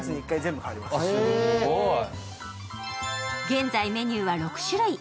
現在メニューは６種類。